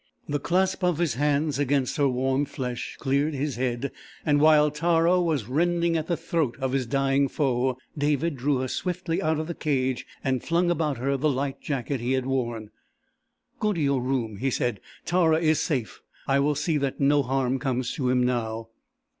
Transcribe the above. The clasp of his hands against her warm flesh cleared his head, and while Tara was rending at the throat of his dying foe, David drew her swiftly out of the cage and flung about her the light jacket he had worn. "Go to your room," he said. "Tara is safe. I will see that no harm comes to him now."